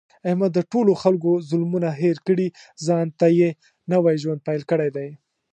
احمد د ټولو خلکو ظلمونه هېر کړي، ځانته یې نوی ژوند پیل کړی دی.